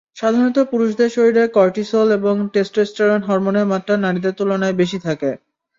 সাধারণত পুরুষদের শরীরে কর্টিসোল এবং টেস্টোস্টেরোন হরমোনের মাত্রা নারীদের তুলনায় বেশি থাকে।